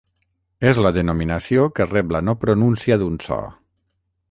És la denominació que rep la no pronúncia d'un so.